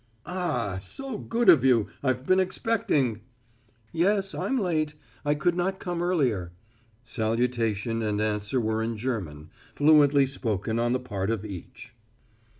"Ah! So good of you! I've been expecting " "Yes, I'm late. I could not come earlier." Salutation and answer were in German, fluently spoken on the part of each.